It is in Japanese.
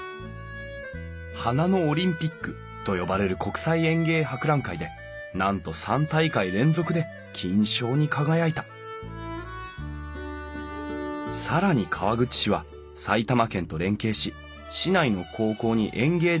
「花のオリンピック」と呼ばれる国際園芸博覧会でなんと３大会連続で金賞に輝いた更に川口市は埼玉県と連携し市内の高校に園芸デザイン科を創設。